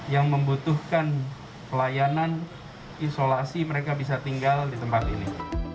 yang membutuhkan pelayanan isolasi mereka bisa tinggal di tempat ini